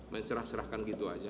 main serah serahkan gitu aja